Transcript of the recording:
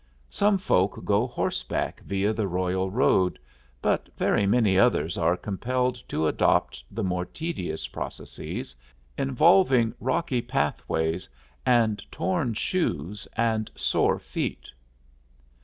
Some folk go horseback via the royal road, but very many others are compelled to adopt the more tedious processes, involving rocky pathways and torn shoon and sore feet.